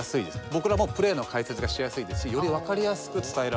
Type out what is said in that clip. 僕らもプレーの解説がしやすいですしより分かりやすく伝えられるんじゃないかなと。